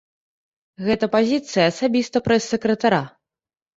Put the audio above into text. Гэта пазіцыя асабіста прэс-сакратара.